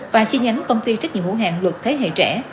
và chi nhánh công ty trách nhiệm hữu hạng luật thế hệ trẻ